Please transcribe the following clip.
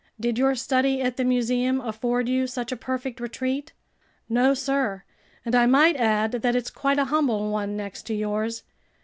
"Did your study at the museum afford you such a perfect retreat?" "No, sir, and I might add that it's quite a humble one next to yours.